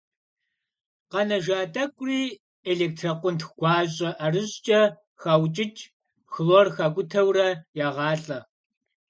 Къэнэжа тӀэкӀури электрокъунтх гуащӀэ ӀэрыщӀкӀэ хаукӀыкӀ, хлор хакӀутэурэ ягъалӀэ.